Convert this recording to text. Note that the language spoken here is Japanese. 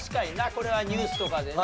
これはニュースとかでな。